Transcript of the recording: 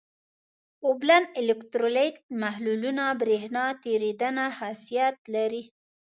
اوبلن الکترولیت محلولونه برېښنا تیریدنه خاصیت لري.